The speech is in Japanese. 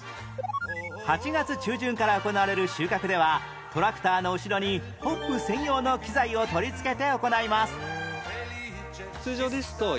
８月中旬から行われる収穫ではトラクターの後ろにホップ専用の機材を取り付けて行います